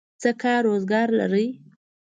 څه کار روزګار لرئ؟